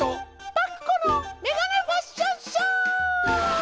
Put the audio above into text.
パクこのめがねファッションショー！